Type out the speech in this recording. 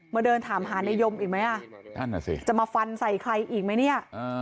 มาเดินถามหานายยมอีกมั้ยอ่ะจะมาฟันใส่ใครอีกมั้ยเนี่ย